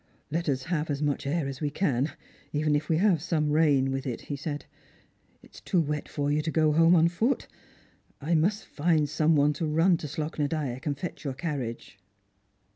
"Let us have as much air as we can, even if we have some rain with it," he said. "It is too wet for you to go home on foot. I must find some one to run to Slogh na Dyack and fetch your carriage."